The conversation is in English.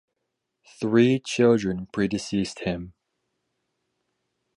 Three children predeceased him.